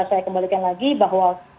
jadi saya kembalikan lagi bahwa